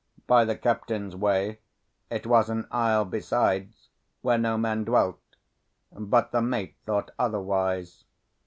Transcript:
By the captain's way, it was an isle besides where no man dwelt; but the mate thought otherwise.